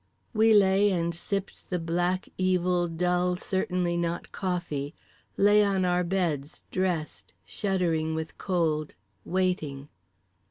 We lay and sipped the black evil dull certainly not coffee; lay on our beds, dressed, shuddering with cold, waiting.